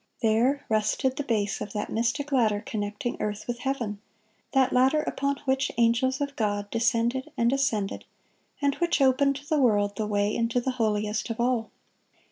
There, rested the base of that mystic ladder connecting earth with heaven,(8)—that ladder upon which angels of God descended and ascended, and which opened to the world the way into the holiest of all.